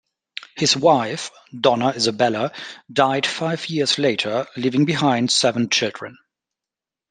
His wife, Donna Isabella died five years later leaving behind seven children.